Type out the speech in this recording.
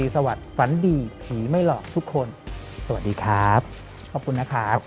สวัสดีครับทุกคน